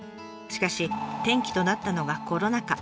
しかし転機となったのがコロナ禍。